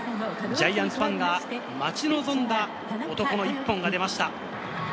ジャイアンツファンが待ち望んだ男の一本が出ました。